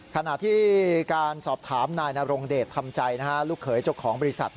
ขณะที่การสอบถามนายนรงเดชทำใจลูกเขยเจ้าของบริษัท